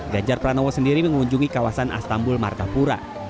ganjar pranowo sendiri mengunjungi kawasan astambul martapura